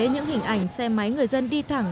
những hình ảnh xe máy người dân đi thẳng